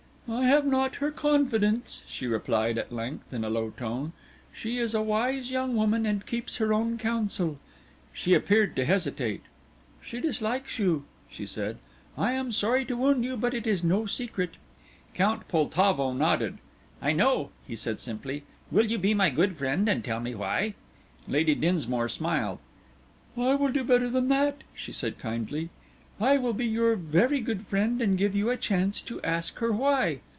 "I have not her confidence," she replied at length, in a low tone; "she is a wise young woman and keeps her own counsel." She appeared to hesitate. "She dislikes you," she said. "I am sorry to wound you, but it is no secret." Count Poltavo nodded. "I know," he said, simply. "Will you be my good friend and tell me why?" Lady Dinsmore smiled. "I will do better than that," she said kindly. "I will be your very good friend and give you a chance to ask her why.